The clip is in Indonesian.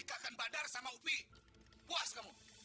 sahabat bagi pakai